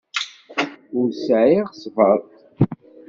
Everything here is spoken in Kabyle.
Ur sɛiɣ ṣṣber.